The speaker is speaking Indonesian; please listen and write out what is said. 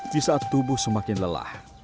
di saat tubuh semakin lelah